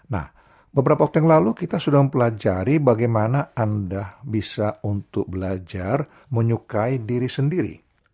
nah beberapa waktu yang lalu kita sudah mempelajari bagaimana anda bisa untuk belajar menyukai diri sendiri